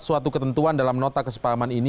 suatu ketentuan dalam nota kesepahaman ini